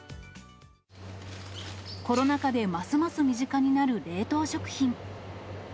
コロナ禍でますます身近になる冷凍食品。